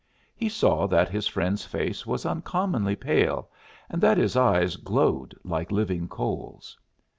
He saw that his friend's face was uncommonly pale and that his eyes glowed like living coals.